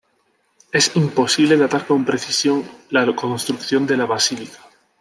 Es imposible datar con precisión la construcción de la basílica.